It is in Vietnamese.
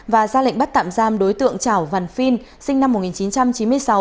và ra lệnh bắt tạm giam đối tượng trảo văn phiên sinh năm một nghìn chín trăm chín mươi sáu